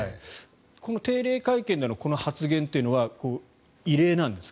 この定例会見での発言というのは異例なんですか？